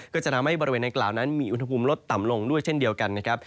ก็จะทำให้บริเวณดังกล่าวนั้นมีอุณหภูมิลดต่ำลงด้วยเช่นเดียวกันนะครับ